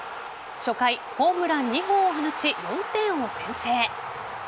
初回、ホームラン２本を放ち４点を先制。